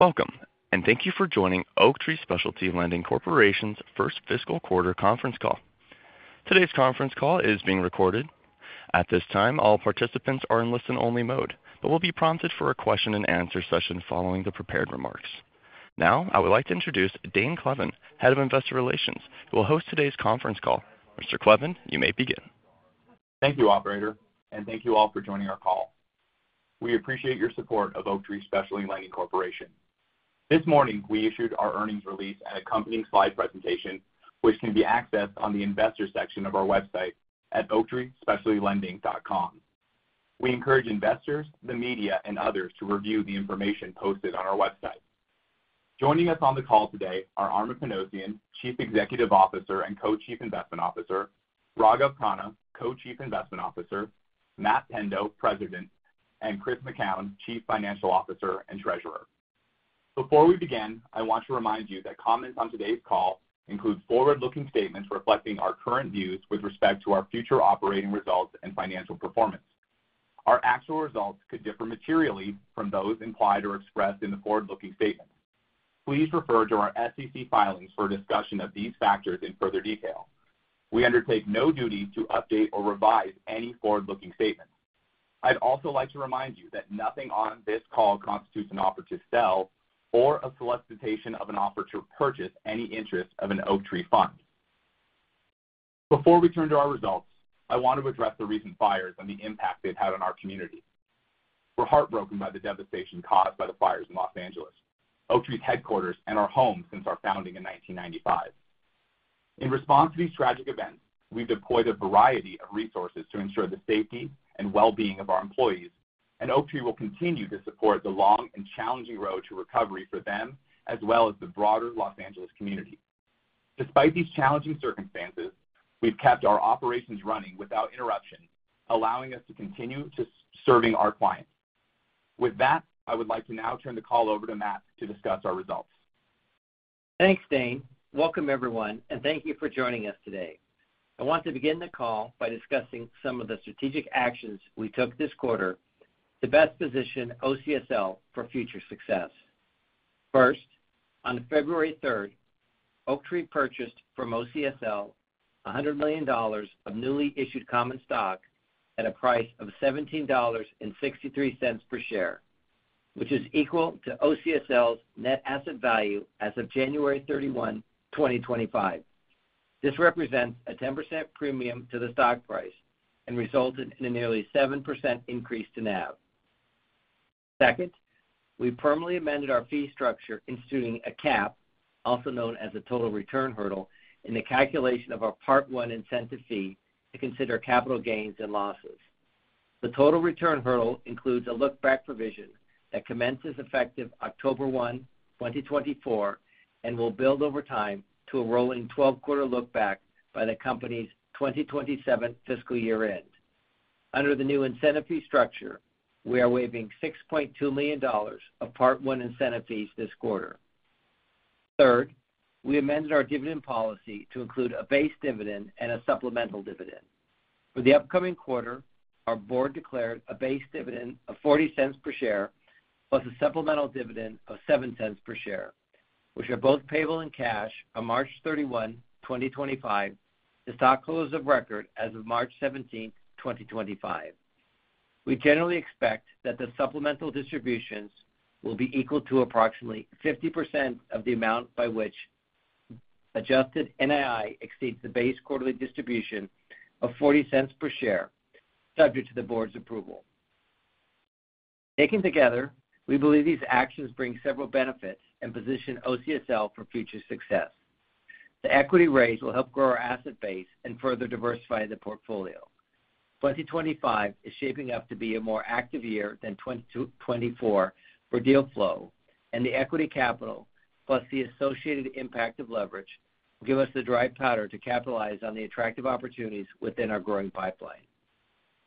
Welcome, and thank you for joining Oaktree Specialty Lending Corporation's first fiscal quarter conference call. Today's conference call is being recorded. At this time, all participants are in listen-only mode, but will be prompted for a question-and-answer session following the prepared remarks. Now, I would like to introduce Dane Kleven, Head of Investor Relations, who will host today's conference call. Mr. Kleven, you may begin. Thank you, Operator, and thank you all for joining our call. We appreciate your support of Oaktree Specialty Lending Corporation. This morning, we issued our earnings release and accompanying slide presentation, which can be accessed on the Investor section of our website at oaktreespecialtylending.com. We encourage investors, the media, and others to review the information posted on our website. Joining us on the call today are Armen Panossian, Chief Executive Officer and Co-Chief Investment Officer, Raghav Khanna, Co-Chief Investment Officer, Matt Pendo, President, and Chris McKown, Chief Financial Officer and Treasurer. Before we begin, I want to remind you that comments on today's call include forward-looking statements reflecting our current views with respect to our future operating results and financial performance. Our actual results could differ materially from those implied or expressed in the forward-looking statements. Please refer to our SEC filings for discussion of these factors in further detail. We undertake no duty to update or revise any forward-looking statements. I'd also like to remind you that nothing on this call constitutes an offer to sell or a solicitation of an offer to purchase any interest of an Oaktree Fund. Before we turn to our results, I want to address the recent fires and the impact they've had on our community. We're heartbroken by the devastation caused by the fires in Los Angeles, Oaktree's headquarters, and our home since our founding in 1995. In response to these tragic events, we've deployed a variety of resources to ensure the safety and well-being of our employees, and Oaktree will continue to support the long and challenging road to recovery for them as well as the broader Los Angeles community. Despite these challenging circumstances, we've kept our operations running without interruption, allowing us to continue serving our clients. With that, I would like to now turn the call over to Matt to discuss our results. Thanks, Dane. Welcome, everyone, and thank you for joining us today. I want to begin the call by discussing some of the strategic actions we took this quarter to best position OCSL for future success. First, on February 3rd, Oaktree purchased from OCSL $100 million of newly issued common stock at a price of $17.63 per share, which is equal to OCSL's net asset value as of January 31, 2025. This represents a 10% premium to the stock price and resulted in a nearly 7% increase to NAV. Second, we permanently amended our fee structure, instituting a cap, also known as a total return hurdle, in the calculation of our Part I incentive fee to consider capital gains and losses. The total return hurdle includes a look-back provision that commences effective October 1, 2024, and will build over time to a rolling 12-quarter look-back by the company's 2027 fiscal year end. Under the new incentive fee structure, we are waiving $6.2 million of Part I incentive fees this quarter. Third, we amended our dividend policy to include a base dividend and a supplemental dividend. For the upcoming quarter, our board declared a base dividend of $0.40 per share plus a supplemental dividend of $0.07 per share, which are both payable in cash on March 31, 2025, to stockholders of record as of March 17, 2025. We generally expect that the supplemental distributions will be equal to approximately 50% of the amount by which adjusted NII exceeds the base quarterly distribution of $0.40 per share, subject to the board's approval. Taken together, we believe these actions bring several benefits and position OCSL for future success. The equity raise will help grow our asset base and further diversify the portfolio. 2025 is shaping up to be a more active year than 2024 for deal flow, and the equity capital plus the associated impact of leverage will give us the dry powder to capitalize on the attractive opportunities within our growing pipeline.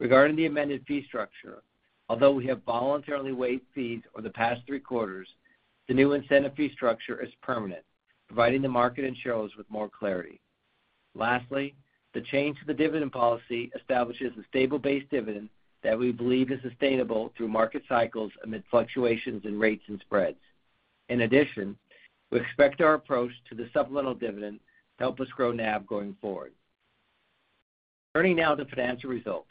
Regarding the amended fee structure, although we have voluntarily waived fees over the past three quarters, the new incentive fee structure is permanent, providing the market and shareholders with more clarity. Lastly, the change to the dividend policy establishes a stable base dividend that we believe is sustainable through market cycles amid fluctuations in rates and spreads. In addition, we expect our approach to the supplemental dividend to help us grow NAV going forward. Turning now to financial results,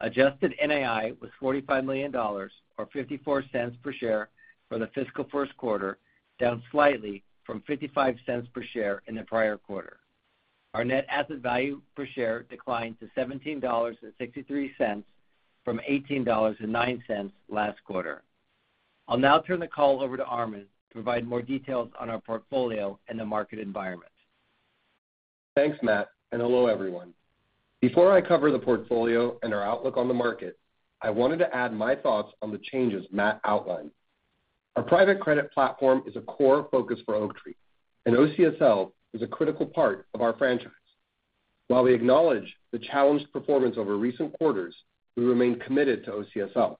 adjusted NII was $45 million, or $0.54 per share for the fiscal first quarter, down slightly from $0.55 per share in the prior quarter. Our net asset value per share declined to $17.63 from $18.09 last quarter. I'll now turn the call over to Armen to provide more details on our portfolio and the market environment. Thanks, Matt, and hello, everyone. Before I cover the portfolio and our outlook on the market, I wanted to add my thoughts on the changes Matt outlined. Our private credit platform is a core focus for Oaktree, and OCSL is a critical part of our franchise. While we acknowledge the challenged performance over recent quarters, we remain committed to OCSL.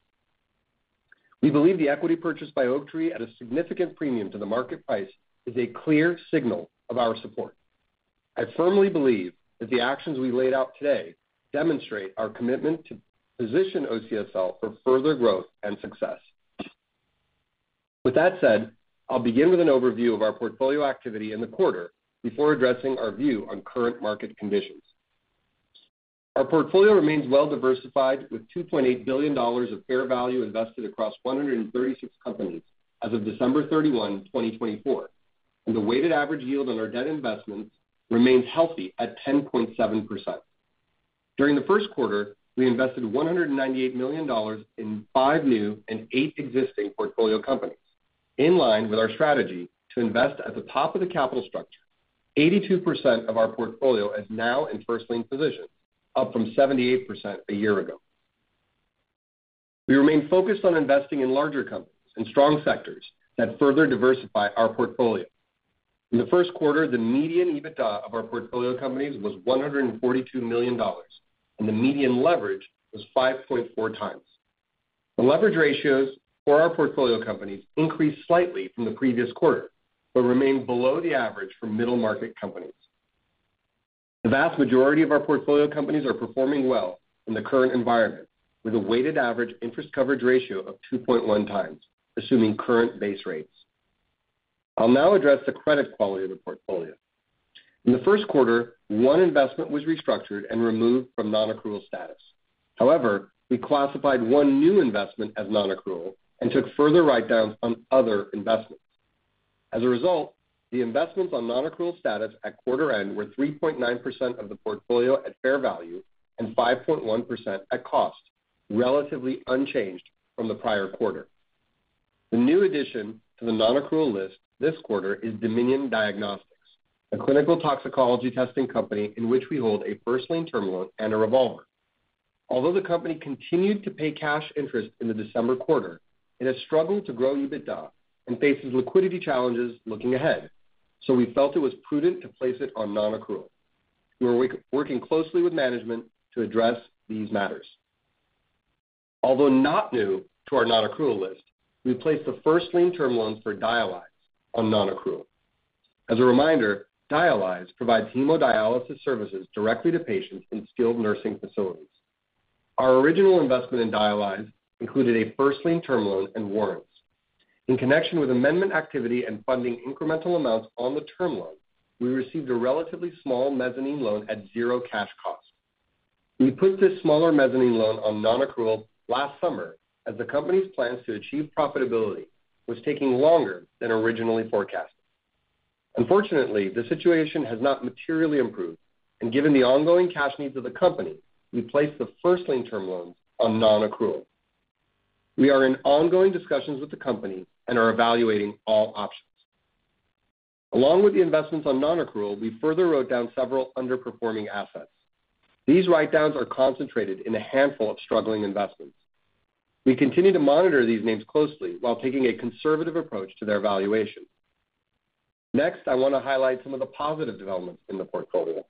We believe the equity purchased by Oaktree at a significant premium to the market price is a clear signal of our support. I firmly believe that the actions we laid out today demonstrate our commitment to position OCSL for further growth and success. With that said, I'll begin with an overview of our portfolio activity in the quarter before addressing our view on current market conditions. Our portfolio remains well-diversified with $2.8 billion of fair value invested across 136 companies as of December 31, 2024, and the weighted average yield on our debt investments remains healthy at 10.7%. During the first quarter, we invested $198 million in five new and eight existing portfolio companies, in line with our strategy to invest at the top of the capital structure. 82% of our portfolio is now in first-lien positions, up from 78% a year ago. We remain focused on investing in larger companies and strong sectors that further diversify our portfolio. In the first quarter, the median EBITDA of our portfolio companies was $142 million, and the median leverage was 5.4 times. The leverage ratios for our portfolio companies increased slightly from the previous quarter but remained below the average for middle-market companies. The vast majority of our portfolio companies are performing well in the current environment, with a weighted average interest coverage ratio of 2.1 times, assuming current base rates. I'll now address the credit quality of the portfolio. In the first quarter, one investment was restructured and removed from non-accrual status. However, we classified one new investment as non-accrual and took further write-downs on other investments. As a result, the investments on non-accrual status at quarter end were 3.9% of the portfolio at fair value and 5.1% at cost, relatively unchanged from the prior quarter. The new addition to the non-accrual list this quarter is Dominion Diagnostics, a clinical toxicology testing company in which we hold a first lien term loan and a revolver. Although the company continued to pay cash interest in the December quarter, it has struggled to grow EBITDA and faces liquidity challenges looking ahead, so we felt it was prudent to place it on non-accrual. We are working closely with management to address these matters. Although not new to our non-accrual list, we placed the first-lien term loans for Dialyze on non-accrual. As a reminder, Dialyze provides hemodialysis services directly to patients in skilled nursing facilities. Our original investment in Dialyze included a first-lien term loan and warrants. In connection with amendment activity and funding incremental amounts on the term loan, we received a relatively small mezzanine loan at zero cash cost. We put this smaller mezzanine loan on non-accrual last summer as the company's plans to achieve profitability were taking longer than originally forecast. Unfortunately, the situation has not materially improved, and given the ongoing cash needs of the company, we placed the first-lien term loans on non-accrual. We are in ongoing discussions with the company and are evaluating all options. Along with the investments on non-accrual, we further wrote down several underperforming assets. These write-downs are concentrated in a handful of struggling investments. We continue to monitor these names closely while taking a conservative approach to their valuation. Next, I want to highlight some of the positive developments in the portfolio.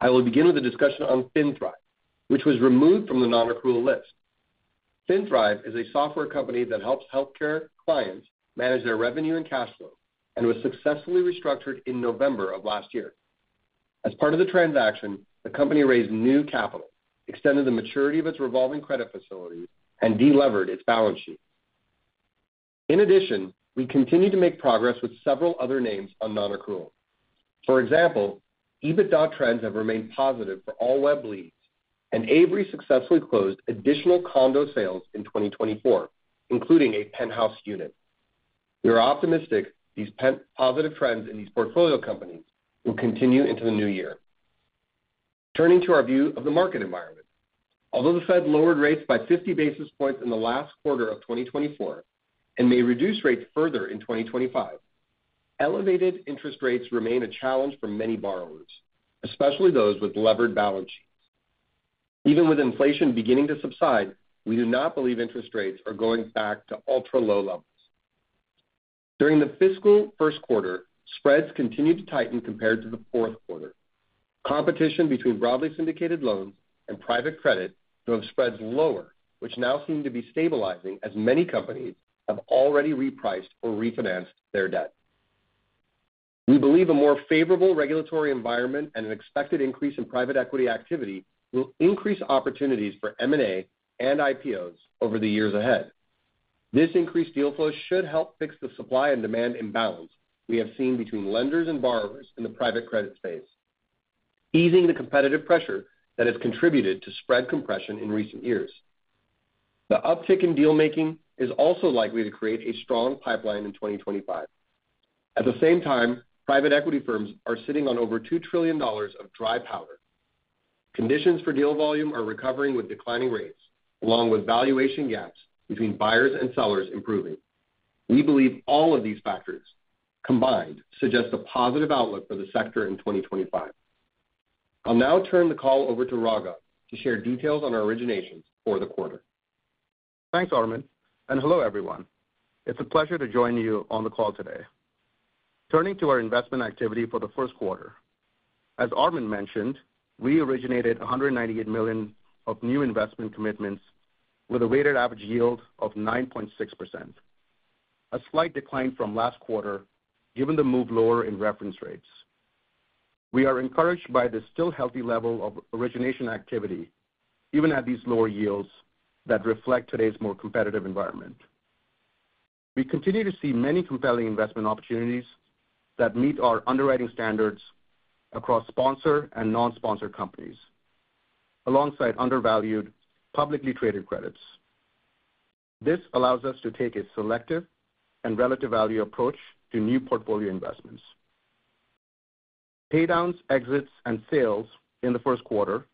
I will begin with a discussion on FinThrive, which was removed from the non-accrual list. FinThrive is a software company that helps healthcare clients manage their revenue and cash flow and was successfully restructured in November of last year. As part of the transaction, the company raised new capital, extended the maturity of its revolving credit facilities, and delevered its balance sheet. In addition, we continue to make progress with several other names on non-accrual. For example, EBITDA trends have remained positive for All Web Leads, and Avery successfully closed additional condo sales in 2024, including a penthouse unit. We are optimistic these positive trends in these portfolio companies will continue into the new year. Turning to our view of the market environment, although the Fed lowered rates by 50 basis points in the last quarter of 2024 and may reduce rates further in 2025, elevated interest rates remain a challenge for many borrowers, especially those with levered balance sheets. Even with inflation beginning to subside, we do not believe interest rates are going back to ultra-low levels. During the fiscal first quarter, spreads continued to tighten compared to the fourth quarter. Competition between broadly syndicated loans and private credit drove spreads lower, which now seem to be stabilizing as many companies have already repriced or refinanced their debt. We believe a more favorable regulatory environment and an expected increase in private equity activity will increase opportunities for M&A and IPOs over the years ahead. This increased deal flow should help fix the supply and demand imbalance we have seen between lenders and borrowers in the private credit space, easing the competitive pressure that has contributed to spread compression in recent years. The uptick in dealmaking is also likely to create a strong pipeline in 2025. At the same time, private equity firms are sitting on over $2 trillion of dry powder. Conditions for deal volume are recovering with declining rates, along with valuation gaps between buyers and sellers improving. We believe all of these factors combined suggest a positive outlook for the sector in 2025. I'll now turn the call over to Raghav to share details on our originations for the quarter. Thanks, Armen, and hello, everyone. It's a pleasure to join you on the call today. Turning to our investment activity for the first quarter, as Armen mentioned, we originated $198 million of new investment commitments with a weighted average yield of 9.6%, a slight decline from last quarter given the move lower in reference rates. We are encouraged by the still healthy level of origination activity, even at these lower yields that reflect today's more competitive environment. We continue to see many compelling investment opportunities that meet our underwriting standards across sponsored and non-sponsored companies, alongside undervalued publicly traded credits. This allows us to take a selective and relative value approach to new portfolio investments. Paydowns, exits, and sales in the first quarter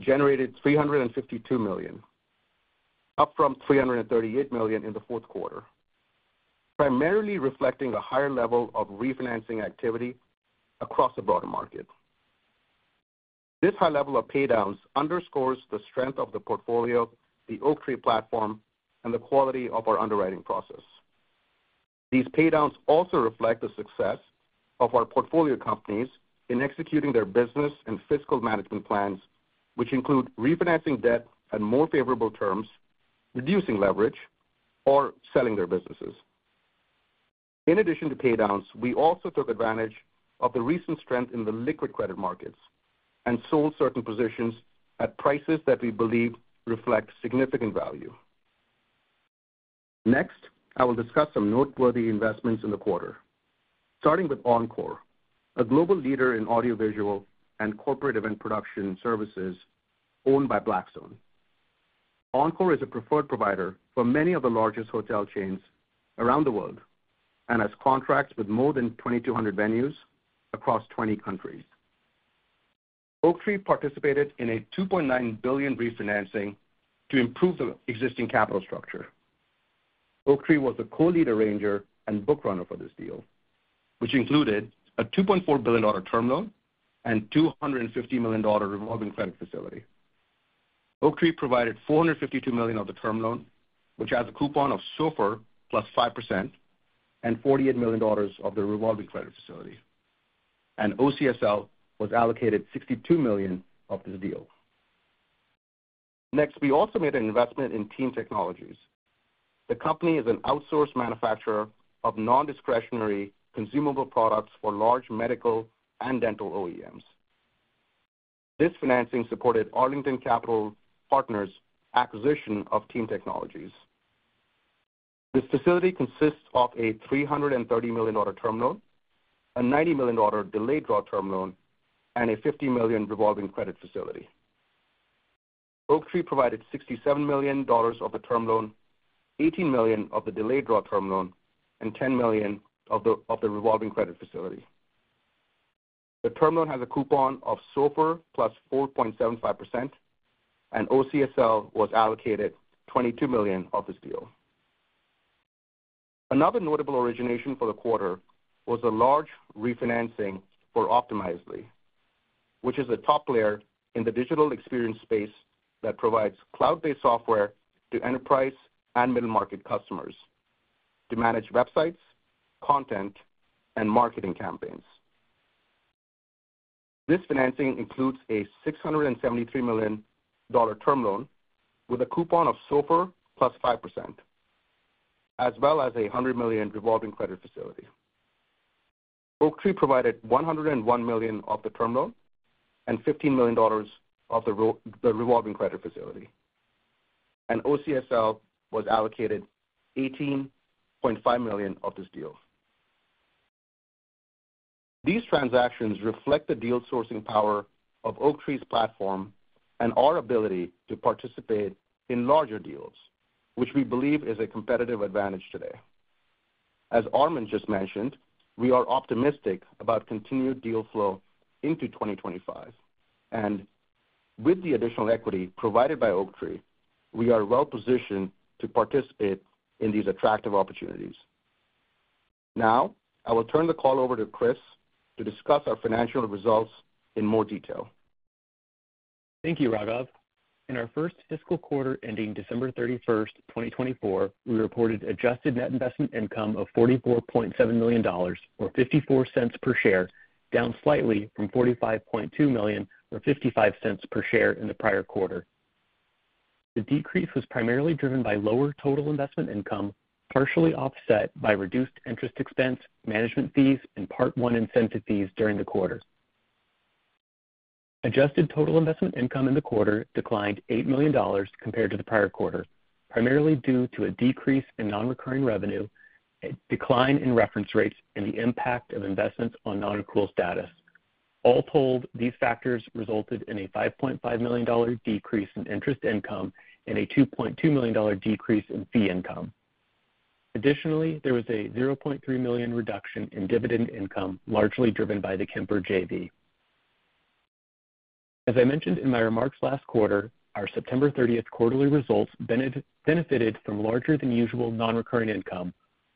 generated $352 million, up from $338 million in the fourth quarter, primarily reflecting a higher level of refinancing activity across the broader market. This high level of paydowns underscores the strength of the portfolio, the Oaktree platform, and the quality of our underwriting process. These paydowns also reflect the success of our portfolio companies in executing their business and fiscal management plans, which include refinancing debt on more favorable terms, reducing leverage, or selling their businesses. In addition to paydowns, we also took advantage of the recent strength in the liquid credit markets and sold certain positions at prices that we believe reflect significant value. Next, I will discuss some noteworthy investments in the quarter, starting with Encore, a global leader in audiovisual and corporate event production services owned by Blackstone. Encore is a preferred provider for many of the largest hotel chains around the world and has contracts with more than 2,200 venues across 20 countries. Oaktree participated in a $2.9 billion refinancing to improve the existing capital structure. Oaktree was a co-lead arranger and book runner for this deal, which included a $2.4 billion term loan and $250 million revolving credit facility. Oaktree provided $452 million of the term loan, which has a coupon of SOFR plus 5%, and $48 million of the revolving credit facility. OCSL was allocated $62 million of this deal. Next, we also made an investment in Team Technologies. The company is an outsourced manufacturer of non-discretionary consumable products for large medical and dental OEMs. This financing supported Arlington Capital Partners' acquisition of Team Technologies. This facility consists of a $330 million term loan, a $90 million delayed draw term loan, and a $50 million revolving credit facility. Oaktree provided $67 million of the term loan, $18 million of the delayed draw term loan, and $10 million of the revolving credit facility. The term loan has a coupon of SOFR plus 4.75%, and OCSL was allocated $22 million of this deal. Another notable origination for the quarter was a large refinancing for Optimizely, which is a top player in the digital experience space that provides cloud-based software to enterprise and middle-market customers to manage websites, content, and marketing campaigns. This financing includes a $673 million term loan with a coupon of SOFR plus 5%, as well as a $100 million revolving credit facility. Oaktree provided $101 million of the term loan and $15 million of the revolving credit facility, and OCSL was allocated $18.5 million of this deal. These transactions reflect the deal-sourcing power of Oaktree's platform and our ability to participate in larger deals, which we believe is a competitive advantage today. As Armen just mentioned, we are optimistic about continued deal flow into 2025, and with the additional equity provided by Oaktree, we are well-positioned to participate in these attractive opportunities. Now, I will turn the call over to Chris to discuss our financial results in more detail. Thank you, Raghav. In our first fiscal quarter ending December 31st, 2024, we reported adjusted net investment income of $44.7 million, or $0.54 per share, down slightly from $45.2 million, or $0.55 per share, in the prior quarter. The decrease was primarily driven by lower total investment income, partially offset by reduced interest expense, management fees, and Part I incentive fees during the quarter. Adjusted total investment income in the quarter declined $8 million compared to the prior quarter, primarily due to a decrease in non-recurring revenue, a decline in reference rates, and the impact of investments on non-accrual status. All told, these factors resulted in a $5.5 million decrease in interest income and a $2.2 million decrease in fee income. Additionally, there was a $0.3 million reduction in dividend income, largely driven by the Kemper JV. As I mentioned in my remarks last quarter, our September 30th quarterly results benefited from larger-than-usual non-recurring income,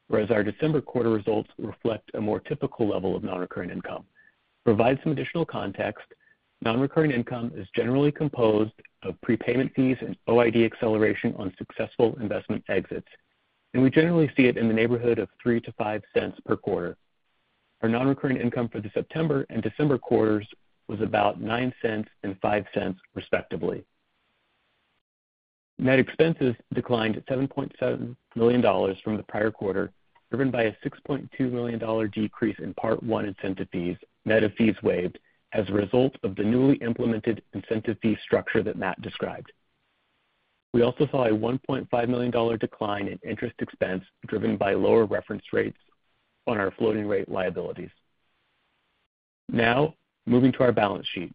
whereas our December quarter results reflect a more typical level of non-recurring income. To provide some additional context, non-recurring income is generally composed of prepayment fees and OID acceleration on successful investment exits, and we generally see it in the neighborhood of $0.03-$0.05 per quarter. Our non-recurring income for the September and December quarters was about $0.09 and $0.05, respectively. Net expenses declined $7.7 million from the prior quarter, driven by a $6.2 million decrease in Part I incentive fees, net of fees waived as a result of the newly implemented incentive fee structure that Matt described. We also saw a $1.5 million decline in interest expense, driven by lower reference rates on our floating-rate liabilities. Now, moving to our balance sheet,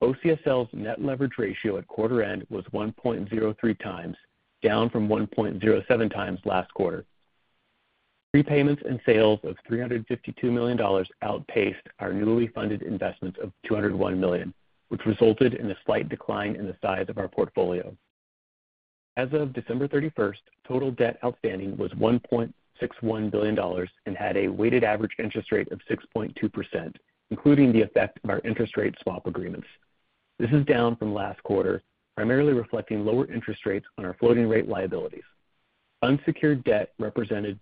OCSL's net leverage ratio at quarter-end was 1.03 times, down from 1.07 times last quarter. Prepayments and sales of $352 million outpaced our newly funded investments of $201 million, which resulted in a slight decline in the size of our portfolio. As of December 31st, total debt outstanding was $1.61 billion and had a weighted average interest rate of 6.2%, including the effect of our interest rate swap agreements. This is down from last quarter, primarily reflecting lower interest rates on our floating-rate liabilities. Unsecured debt represented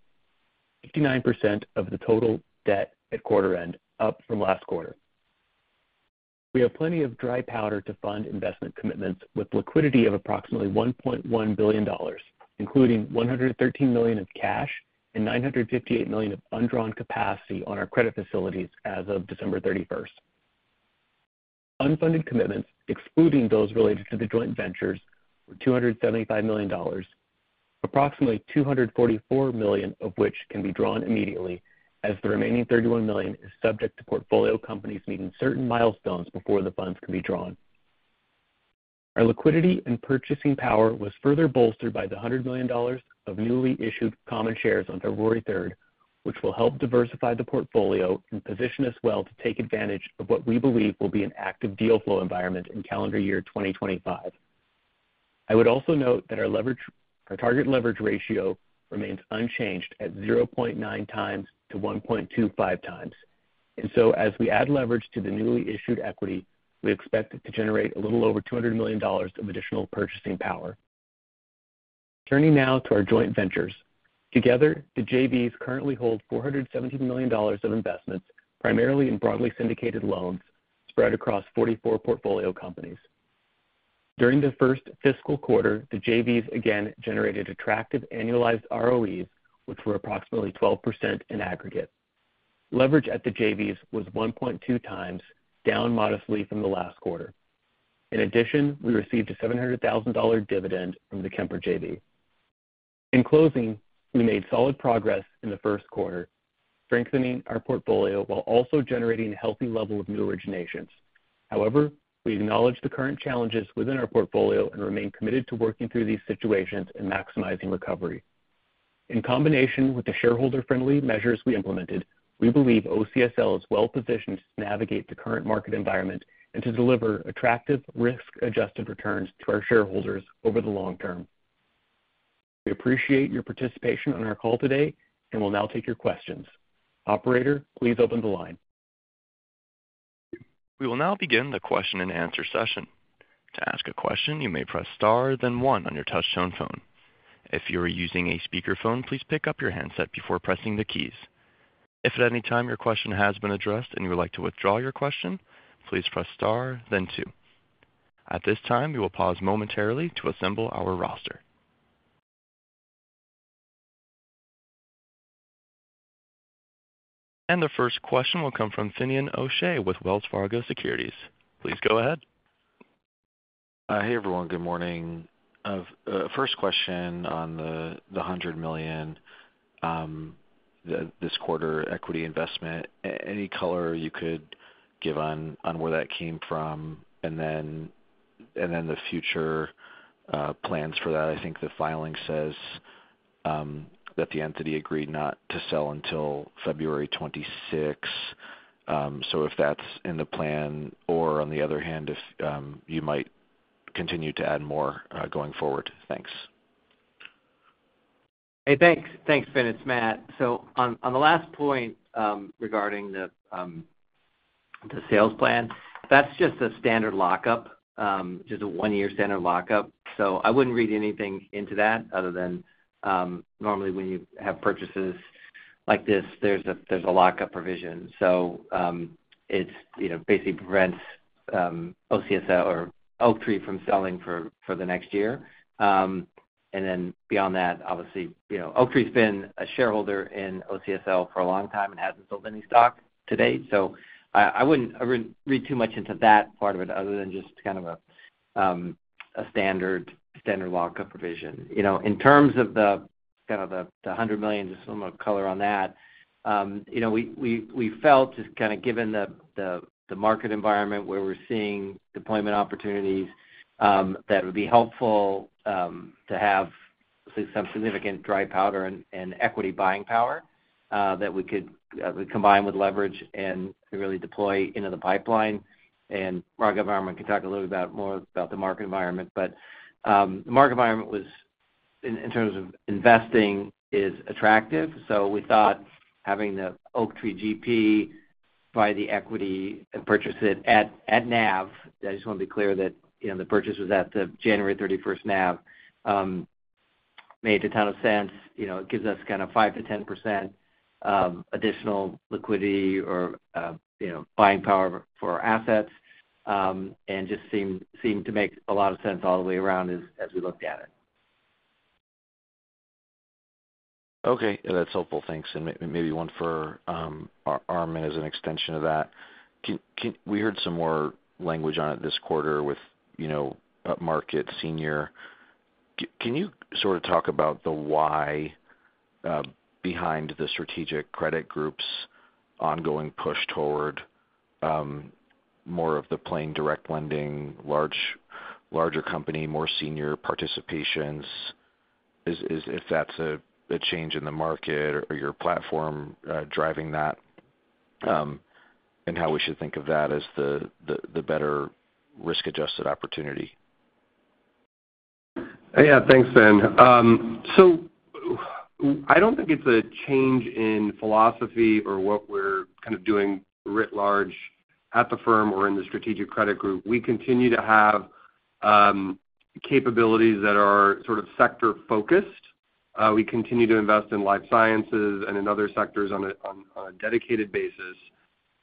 59% of the total debt at quarter-end, up from last quarter. We have plenty of dry powder to fund investment commitments with liquidity of approximately $1.1 billion, including $113 million of cash and $958 million of undrawn capacity on our credit facilities as of December 31st. Unfunded commitments, excluding those related to the joint ventures, were $275 million, approximately $244 million of which can be drawn immediately, as the remaining $31 million is subject to portfolio companies meeting certain milestones before the funds can be drawn. Our liquidity and purchasing power was further bolstered by the $100 million of newly issued common shares on February 3rd, which will help diversify the portfolio and position us well to take advantage of what we believe will be an active deal flow environment in calendar year 2025. I would also note that our target leverage ratio remains unchanged at 0.9 times to 1.25 times, and so, as we add leverage to the newly issued equity, we expect it to generate a little over $200 million of additional purchasing power. Turning now to our joint ventures. Together, the JVs currently hold $470 million of investments, primarily in broadly syndicated loans spread across 44 portfolio companies. During the first fiscal quarter, the JVs again generated attractive annualized ROEs, which were approximately 12% in aggregate. Leverage at the JVs was 1.2 times, down modestly from the last quarter. In addition, we received a $700,000 dividend from the Kemper JV. In closing, we made solid progress in the first quarter, strengthening our portfolio while also generating a healthy level of new originations. However, we acknowledge the current challenges within our portfolio and remain committed to working through these situations and maximizing recovery. In combination with the shareholder-friendly measures we implemented, we believe OCSL is well-positioned to navigate the current market environment and to deliver attractive risk-adjusted returns to our shareholders over the long term. We appreciate your participation on our call today and will now take your questions. Operator, please open the line. We will now begin the question-and-answer session. To ask a question, you may press star, then one on your touch-tone phone. If you are using a speakerphone, please pick up your handset before pressing the keys. If at any time your question has been addressed and you would like to withdraw your question, please press star, then two. At this time, we will pause momentarily to assemble our roster, and the first question will come from Finian O'Shea with Wells Fargo Securities. Please go ahead. Hey, everyone. Good morning. First question on the $100 million this quarter equity investment. Any color you could give on where that came from and then the future plans for that? I think the filing says that the entity agreed not to sell until February 26. So if that's in the plan, or on the other hand, if you might continue to add more going forward? Thanks. Hey, thanks. Thanks, Finn. It's Matt. So on the last point regarding the sales plan, that's just a standard lockup, just a one-year standard lockup. So I wouldn't read anything into that other than normally when you have purchases like this, there's a lockup provision. So it basically prevents OCSL or Oaktree from selling for the next year. And then beyond that, obviously, Oaktree's been a shareholder in OCSL for a long time and hasn't sold any stock to date. So I wouldn't read too much into that part of it other than just kind of a standard lockup provision. In terms of the $100 million, just a little more color on that, we felt just kind of given the market environment where we're seeing deployment opportunities that it would be helpful to have some significant dry powder and equity buying power that we could combine with leverage and really deploy into the pipeline, and Raghav, Armen can talk a little bit more about the market environment, but the market environment, in terms of investing, is attractive, so we thought having the Oaktree GP buy the equity and purchase it at NAV. I just want to be clear that the purchase was at the January 31st NAV. It made a ton of sense. It gives us kind of 5%-10% additional liquidity or buying power for our assets and just seemed to make a lot of sense all the way around as we looked at it. Okay. That's helpful. Thanks. And maybe one for Armen as an extension of that. We heard some more language on it this quarter with market senior. Can you sort of talk about the why behind the Strategic Credit Group's ongoing push toward more of the plain direct lending, larger company, more senior participations? If that's a change in the market or your platform driving that and how we should think of that as the better risk-adjusted opportunity? Yeah. Thanks, Finn. So I don't think it's a change in philosophy or what we're kind of doing writ large at the firm or in the Strategic Credit Group. We continue to have capabilities that are sort of sector-focused. We continue to invest in life sciences and in other sectors on a dedicated basis.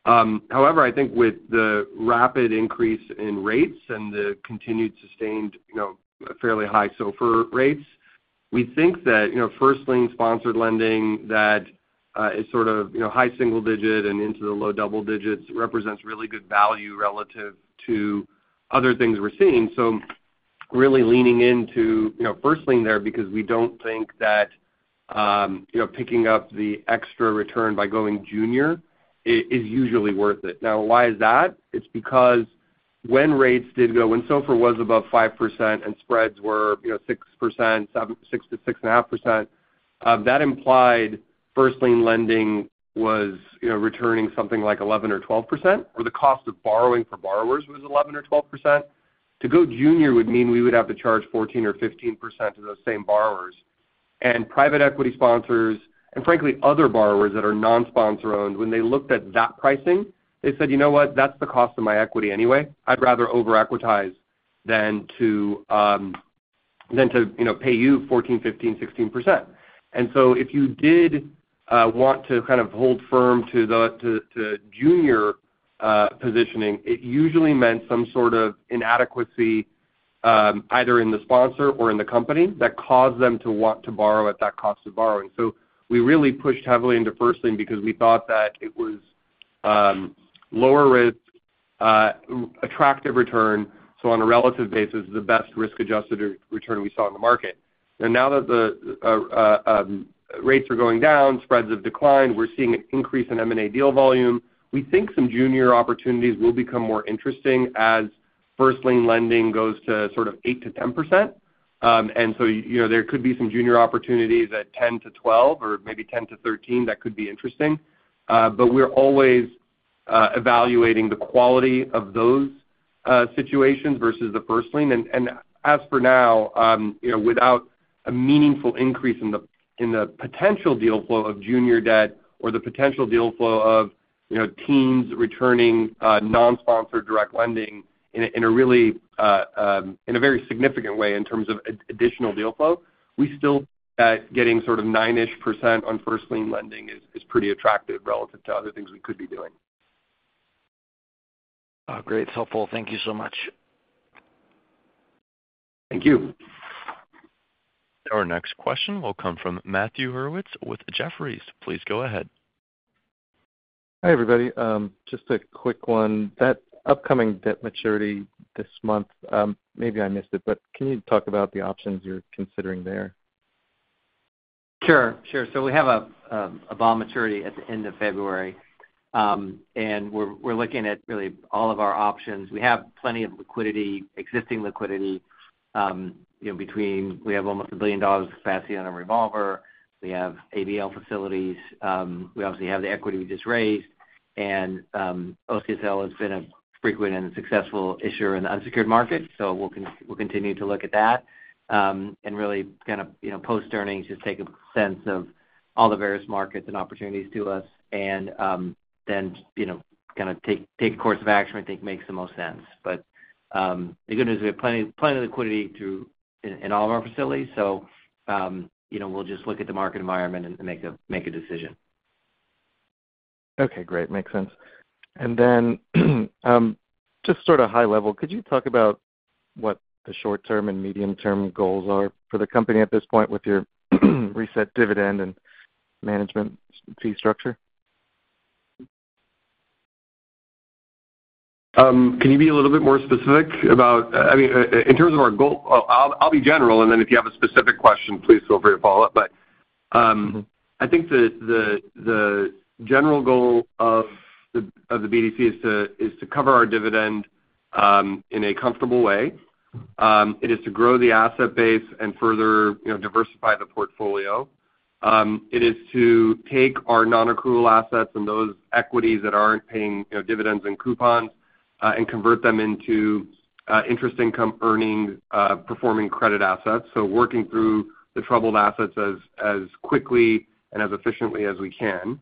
However, I think with the rapid increase in rates and the continued sustained fairly high SOFR rates, we think that first-lien sponsored lending that is sort of high single digit and into the low double digits represents really good value relative to other things we're seeing. So really leaning into first-lien there because we don't think that picking up the extra return by going junior is usually worth it. Now, why is that? It's because when rates did go up when SOFR was above 5% and spreads were 6%-6.5%, that implied first-lien lending was returning something like 11% or 12%, or the cost of borrowing for borrowers was 11% or 12%. To go junior would mean we would have to charge 14% or 15% to those same borrowers. And private equity sponsors and, frankly, other borrowers that are non-sponsor-owned, when they looked at that pricing, they said, "You know what? That's the cost of my equity anyway. I'd rather over-equitize than to pay you 14%, 15%, 16%." And so if you did want to kind of hold firm to junior positioning, it usually meant some sort of inadequacy either in the sponsor or in the company that caused them to want to borrow at that cost of borrowing. So we really pushed heavily into first-lien because we thought that it was lower risk, attractive return, so on a relative basis, the best risk-adjusted return we saw in the market. And now that the rates are going down, spreads have declined, we're seeing an increase in M&A deal volume. We think some junior opportunities will become more interesting as first-lien lending goes to sort of 8%-10%. And so there could be some junior opportunities at 10%-12% or maybe 10%-13% that could be interesting. But we're always evaluating the quality of those situations versus the first-lien. As for now, without a meaningful increase in the potential deal flow of junior debt or the potential deal flow of teens returning non-sponsored direct lending in a very significant way in terms of additional deal flow, we still think that getting sort of 9%-ish on first-lien lending is pretty attractive relative to other things we could be doing. Oh, great. It's helpful. Thank you so much. Thank you. Our next question will come from Matthew Hurwitz with Jefferies. Please go ahead. Hi, everybody. Just a quick one. That upcoming debt maturity this month, maybe I missed it, but can you talk about the options you're considering there? Sure. Sure. So we have a bond maturity at the end of February, and we're looking at really all of our options. We have plenty of liquidity, existing liquidity. We have almost $1 billion of capacity on a revolver. We have ABL facilities. We obviously have the equity we just raised. And OCSL has been a frequent and successful issuer in the unsecured market, so we'll continue to look at that and really kind of post earnings, just take a sense of all the various markets and opportunities to us, and then kind of take a course of action we think makes the most sense. But the good news is we have plenty of liquidity in all of our facilities, so we'll just look at the market environment and make a decision. Okay. Great. Makes sense. And then just sort of high level, could you talk about what the short-term and medium-term goals are for the company at this point with your reset dividend and management fee structure? Can you be a little bit more specific about, I mean, in terms of our goal? I'll be general, and then if you have a specific question, please feel free to follow up. But I think the general goal of the BDC is to cover our dividend in a comfortable way. It is to grow the asset base and further diversify the portfolio. It is to take our non-accrual assets and those equities that aren't paying dividends and coupons and convert them into interest-income-earning performing credit assets. So working through the troubled assets as quickly and as efficiently as we can.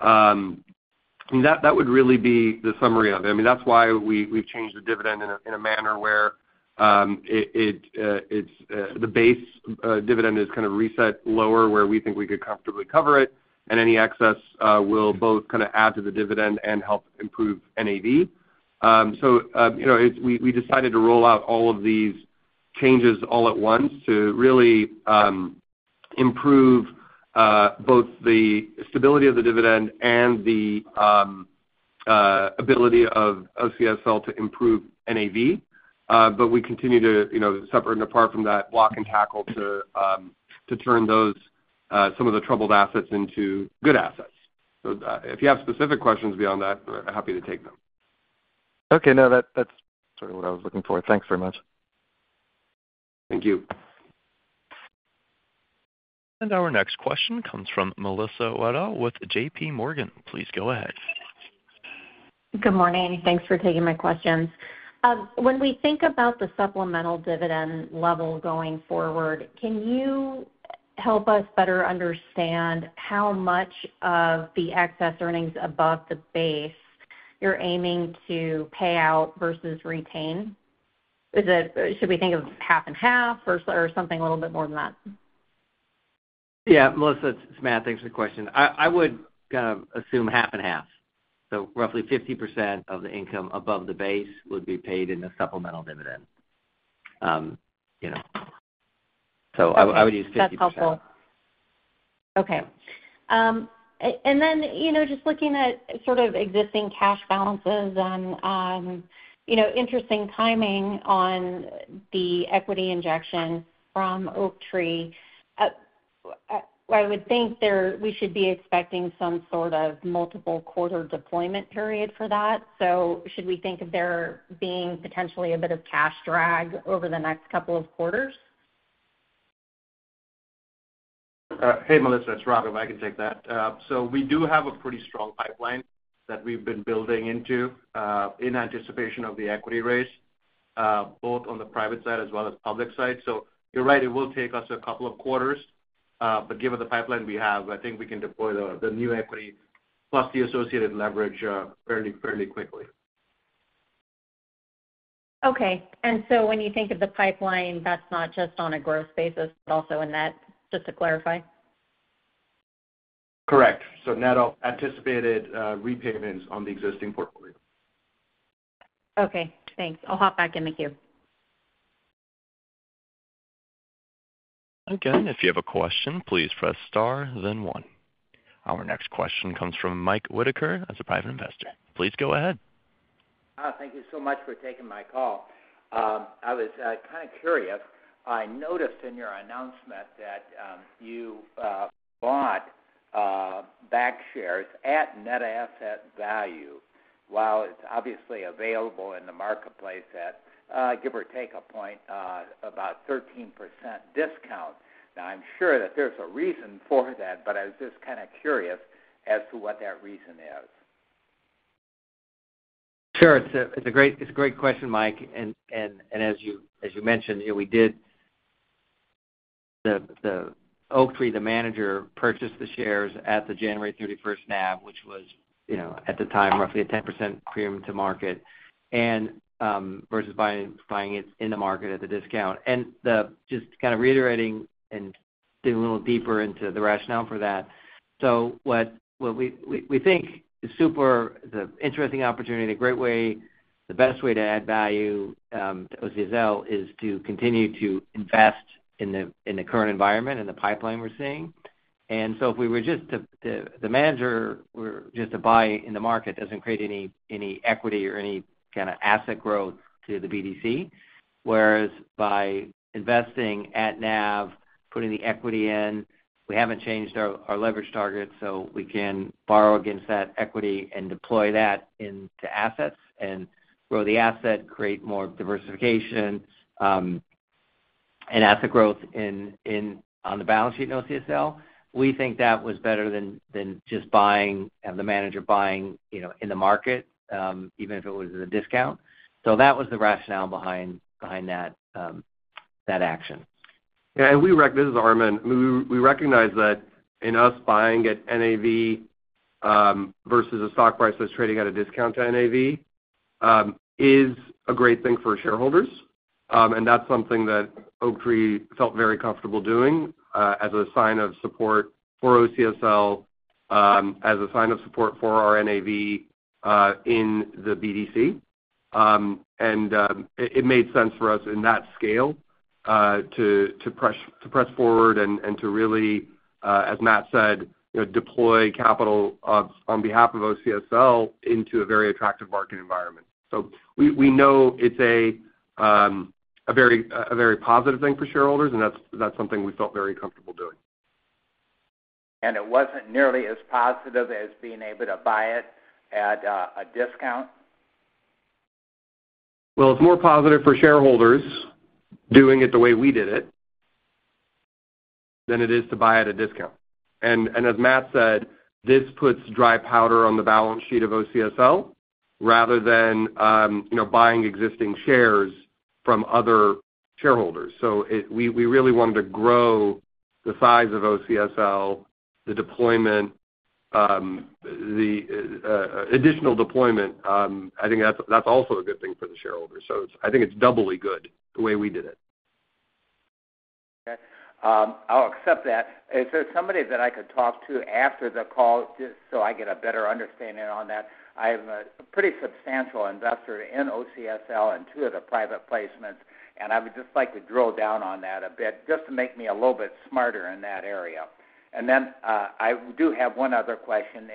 That would really be the summary of it. I mean, that's why we've changed the dividend in a manner where the base dividend is kind of reset lower where we think we could comfortably cover it, and any excess will both kind of add to the dividend and help improve NAV. So we decided to roll out all of these changes all at once to really improve both the stability of the dividend and the ability of OCSL to improve NAV. But we continue to separate and apart from that block and tackle to turn some of the troubled assets into good assets. So if you have specific questions beyond that, I'm happy to take them. Okay. No, that's sort of what I was looking for. Thanks very much. Thank you. Our next question comes from Melissa Wedel with JPMorgan. Please go ahead. Good morning. Thanks for taking my questions. When we think about the supplemental dividend level going forward, can you help us better understand how much of the excess earnings above the base you're aiming to pay out versus retain? Should we think of half and half or something a little bit more than that? Yeah. Melissa, it's Matt. Thanks for the question. I would kind of assume half and half. So roughly 50% of the income above the base would be paid in a supplemental dividend. So I would use 50%. That's helpful. Okay. And then just looking at sort of existing cash balances and interesting timing on the equity injection from Oaktree, I would think we should be expecting some sort of multiple quarter deployment period for that. So should we think of there being potentially a bit of cash drag over the next couple of quarters? Hey, Melissa. It's Raghav. I can take that. So we do have a pretty strong pipeline that we've been building into in anticipation of the equity raise, both on the private side as well as public side. So you're right. It will take us a couple of quarters. But given the pipeline we have, I think we can deploy the new equity plus the associated leverage fairly quickly. Okay. And so when you think of the pipeline, that's not just on a growth basis, but also a net? Just to clarify. Correct, so net anticipated repayments on the existing portfolio. Okay. Thanks. I'll hop back in the queue. Again, if you have a question, please press star, then one. Our next question comes from Mike Whitaker as a private investor. Please go ahead. Thank you so much for taking my call. I was kind of curious. I noticed in your announcement that you bought back shares at net asset value. While it's obviously available in the marketplace at, give or take, a point, about 13% discount. Now, I'm sure that there's a reason for that, but I was just kind of curious as to what that reason is? Sure. It's a great question, Mike. And as you mentioned, the Oaktree, the manager, purchased the shares at the January 31st NAV, which was at the time roughly a 10% premium to market versus buying it in the market at the discount. And just kind of reiterating and digging a little deeper into the rationale for that, so what we think is super interesting opportunity, the great way, the best way to add value to OCSL is to continue to invest in the current environment and the pipeline we're seeing. And so if the manager were just to buy in the market doesn't create any equity or any kind of asset growth to the BDC, whereas by investing at NAV, putting the equity in, we haven't changed our leverage target, so we can borrow against that equity and deploy that into assets and grow the asset, create more diversification, and asset growth on the balance sheet in OCSL. We think that was better than just the manager buying in the market, even if it was a discount. So that was the rationale behind that action. Yeah. And we recognize, this is Armen, we recognize that in us buying at NAV versus a stock price that's trading at a discount to NAV is a great thing for shareholders. And that's something that Oaktree felt very comfortable doing as a sign of support for OCSL, as a sign of support for our NAV in the BDC. And it made sense for us in that scale to press forward and to really, as Matt said, deploy capital on behalf of OCSL into a very attractive market environment. So we know it's a very positive thing for shareholders, and that's something we felt very comfortable doing. And it wasn't nearly as positive as being able to buy it at a discount? It's more positive for shareholders doing it the way we did it than it is to buy at a discount. As Matt said, this puts dry powder on the balance sheet of OCSL rather than buying existing shares from other shareholders. We really wanted to grow the size of OCSL, the additional deployment. I think that's also a good thing for the shareholders. I think it's doubly good the way we did it. Okay. I'll accept that. Is there somebody that I could talk to after the call just so I get a better understanding on that? I am a pretty substantial investor in OCSL and two of the private placements, and I would just like to drill down on that a bit just to make me a little bit smarter in that area. And then I do have one other question.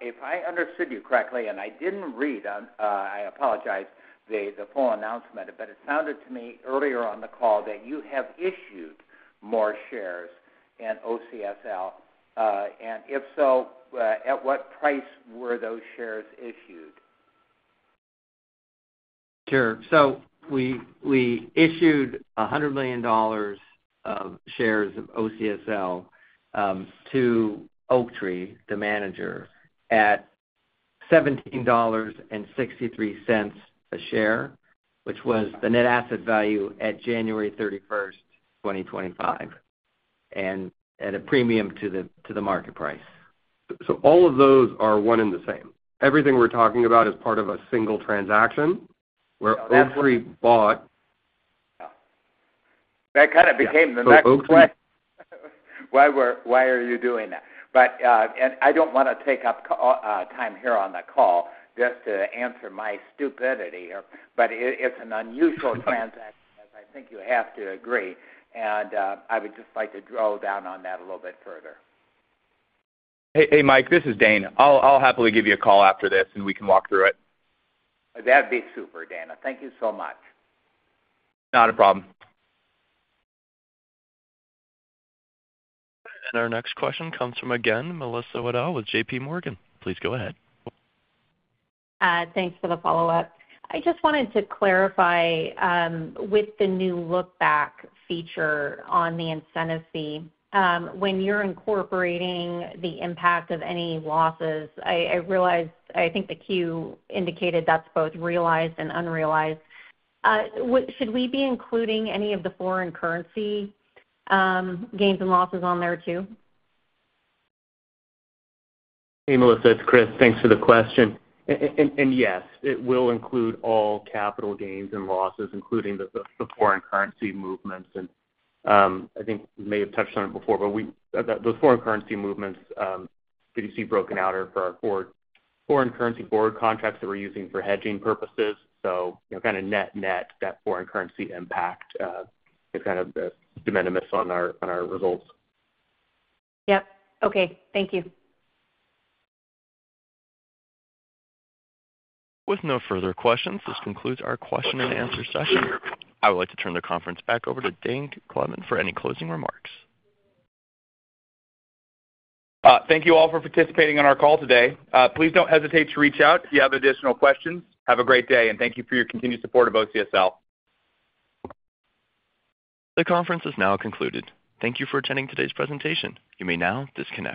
If I understood you correctly, and I didn't read, I apologize, the full announcement, but it sounded to me earlier on the call that you have issued more shares in OCSL. And if so, at what price were those shares issued? Sure. So we issued $100 million of shares of OCSL to Oaktree, the manager, at $17.63 a share, which was the net asset value at January 31st, 2025, and at a premium to the market price. All of those are one and the same. Everything we're talking about is part of a single transaction where Oaktree bought. That kind of became the next question. Why are you doing that? And I don't want to take up time here on the call just to answer my stupidity, but it's an unusual transaction, as I think you have to agree. And I would just like to drill down on that a little bit further. Hey, Mike. This is Dane. I'll happily give you a call after this, and we can walk through it. That'd be super, Dane. Thank you so much. Not a problem. Our next question comes from again, Melissa Wedel with JPMorgan. Please go ahead. Thanks for the follow-up. I just wanted to clarify with the new look-back feature on the incentive fee, when you're incorporating the impact of any losses, I think you indicated that's both realized and unrealized. Should we be including any of the foreign currency gains and losses on there too? Hey, Melissa. It's Chris. Thanks for the question. And yes, it will include all capital gains and losses, including the foreign currency movements. And I think we may have touched on it before, but those foreign currency movements that you see broken out are for foreign currency forward contracts that we're using for hedging purposes. So kind of net-net that foreign currency impact is kind of immaterial on our results. Yep. Okay. Thank you. With no further questions, this concludes our question-and-answer session. I would like to turn the conference back over to Dane Kleven for any closing remarks. Thank you all for participating in our call today. Please don't hesitate to reach out if you have additional questions. Have a great day, and thank you for your continued support of OCSL. The conference is now concluded. Thank you for attending today's presentation. You may now disconnect.